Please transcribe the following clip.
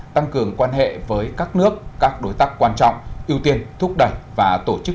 tăng cường quan hệ với các nước các đối tác quan trọng ưu tiên thúc đẩy và tổ chức